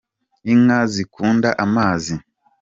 Inka zikunda amazi.